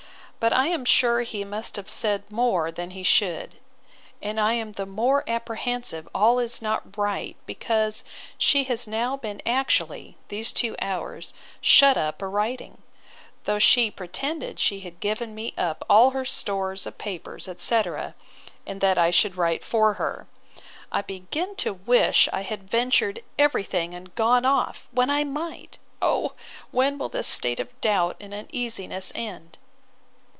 But I am sure he must have said more than he should.—And I am the more apprehensive all is not right, because she has now been actually, these two hours, shut up a writing; though she pretended she had given me up all her stores of papers, etc. and that I should write for her. I begin to wish I had ventured every thing and gone off, when I might. O when will this state of doubt and uneasiness end!